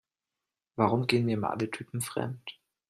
Warum gehen mir immer alle Typen fremd?